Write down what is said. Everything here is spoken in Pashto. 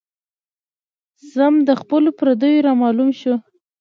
ذم د خپلو د پرديو را معلوم شو